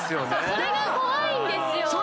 それが怖いんですよ。